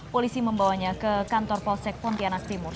polisi membawanya ke kantor polsek pontianak timur